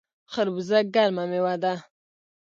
خربوزه ګرمه میوه ده